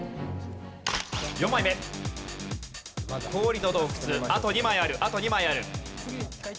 ４枚目あと２枚あるあと２枚ある。